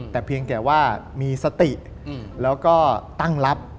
แต่เพียงแต่ว่ามีสติแล้วก็ตั้งรับ